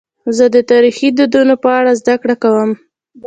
زه د تاریخي دودونو په اړه زدهکړه کوم.